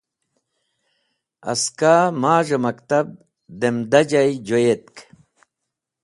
Aska maz̃h maktab dẽm da jay joyetk.